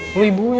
lo ibunya juga